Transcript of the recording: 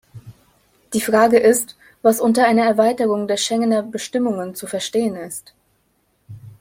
Die Frage ist, was unter einer Erweiterung der Schengener Bestimmungen zu verstehen ist.